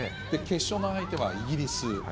決勝の相手はイギリス。